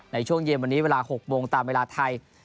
ในช่วงเย็นวันนี้เวลา๖โมงตามเวลาไทย